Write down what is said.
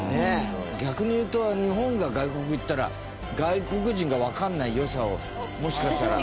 逆にいうと、日本が外国行ったら外国人がわからない良さをもしかしたら。